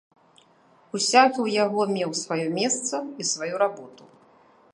Усякі ў яго меў сваё месца і сваю работу.